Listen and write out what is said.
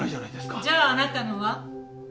じゃああなたのは？